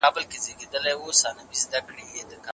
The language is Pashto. کارپوهان یې وړتیا ستايي.